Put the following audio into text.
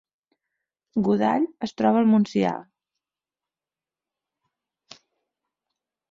Godall es troba al Montsià